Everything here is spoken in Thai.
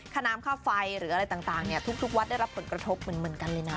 ค่าน้ำค่าไฟหรืออะไรต่างทุกวัดได้รับผลกระทบเหมือนกันเลยนะ